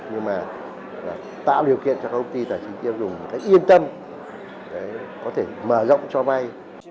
nhưng mà tạo điều kiện cho các công ty tài chính tiêu dùng một cách yên tâm có thể mở rộng cho vay